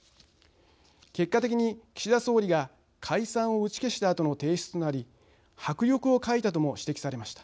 結果的に岸田総理が解散を打ち消したあとの提出となり迫力を欠いたとも指摘されました。